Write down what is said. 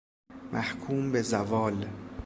محکوم به زوال